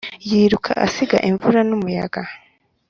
yiruka asiga imvura n’umuyaga.